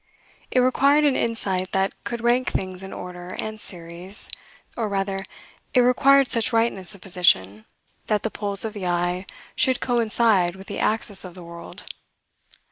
It required an insight that could rank things in order and series; or, rather, it required such rightness of position, that the poles of the eye should coincide with the axis of the world.